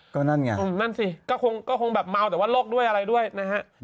ก็นั่นไงนั่นสิก็คงแบบเมาแต่ว่าโรคด้วยอะไรด้วยนะฮะ